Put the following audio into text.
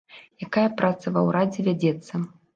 Якая праца ва ўрадзе вядзецца?